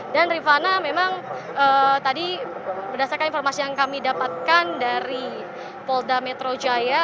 dan rifana memang tadi berdasarkan informasi yang kami dapatkan dari polda metro jaya